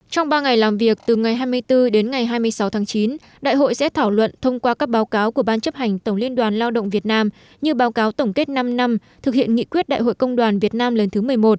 trong ba ngày làm việc từ ngày hai mươi bốn đến ngày hai mươi sáu tháng chín đại hội sẽ thảo luận thông qua các báo cáo của ban chấp hành tổng liên đoàn lao động việt nam như báo cáo tổng kết năm năm thực hiện nghị quyết đại hội công đoàn việt nam lần thứ một mươi một